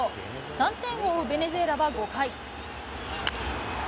３点を追うベネズエラは５回。